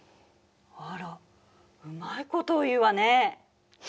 あらうまいこと言うわね。